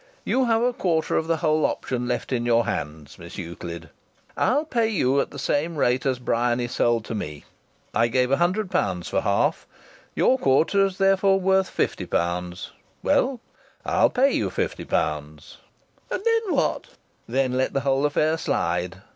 You have a quarter of the whole option left in your hands, Miss Euclid. I'll pay you at the same rate as Bryany sold to me. I gave £100 for half. Your quarter is therefore worth £50. Well, I'll pay you £50." "And then what?" "Then let the whole affair slide."